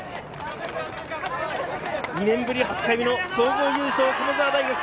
２年ぶり８回目の総合優勝、駒澤大学。